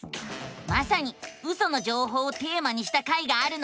まさにウソの情報をテーマにした回があるのさ！